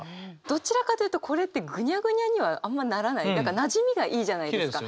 どちらかというとこれってぐにゃぐにゃにはあんまならない何かなじみがいいじゃないですか。